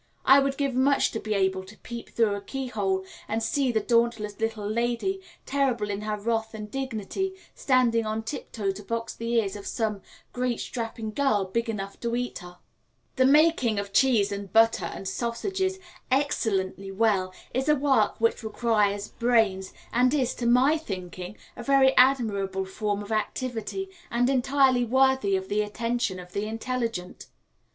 I would give much to be able to peep through a keyhole and see the dauntless little lady, terrible in her wrath and dignity, standing on tiptoe to box the ears of some great strapping girl big enough to eat her. The making of cheese and butter and sausages excellently well is a work which requires brains, and is, to my thinking, a very admirable form of activity, and entirely worthy of the attention of the intelligent.